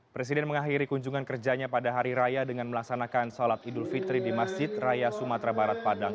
presiden mengakhiri kunjungan kerjanya pada hari raya dengan melaksanakan sholat idul fitri di masjid raya sumatera barat padang